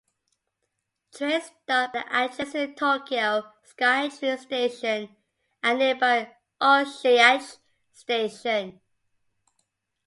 Trains stop at the adjacent Tokyo Skytree Station and nearby Oshiage Station.